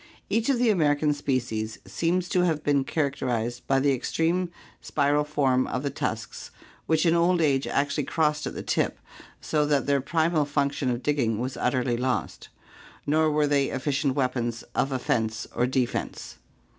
Each of the American species seems to have been characterized by the extreme spiral form of the tusks which in old age actually crossed at the tip so that their primal function of digging was utterly lost, nor were they efficient weapons of offense or defense.